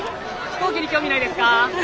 飛行機に興味ないですか？